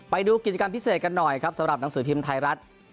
ไปดูกิจกรรมพิเศษกันหน่อยครับสำหรับหนังสือพิมพ์ไทยรัฐ